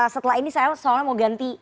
setelah ini saya soalnya mau ganti